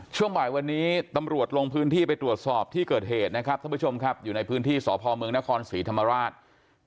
ช่วงบ่ายวันนี้ตำรวจลงพื้นที่ไปตรวจสอบที่เกิดเหตุนะครับท่านผู้ชมครับอยู่ในพื้นที่สพเมืองนครศรีธรรมราช